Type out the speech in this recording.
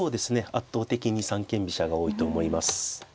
圧倒的に三間飛車が多いと思います。